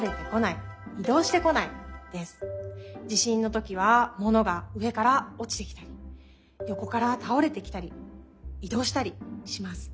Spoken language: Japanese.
地しんのときはものがうえからおちてきたりよこからたおれてきたりいどうしたりします。